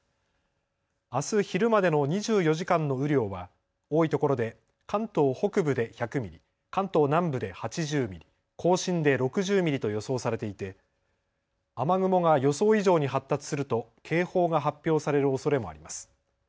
あす昼までの２４時間の雨量は多いところで関東北部で１００ミリ、関東南部で８０ミリ、甲信で６０ミリと予想されていて雨雲が予想以上に発達すると警報が発表されるおそれもあります。